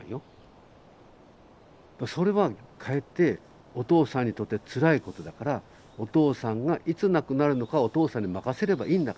それはかえってお父さんにとってつらいことだからお父さんがいつ亡くなるのかはお父さんに任せればいいんだから。